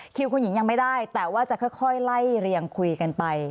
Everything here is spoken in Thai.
คุณหญิงยังไม่ได้แต่ว่าจะค่อยไล่เรียงคุยกันไป